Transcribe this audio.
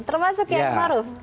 termasuk kian maruf